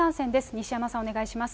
西山さん、お願いします。